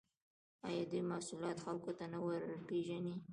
آیا دوی محصولات خلکو ته نه ورپېژني؟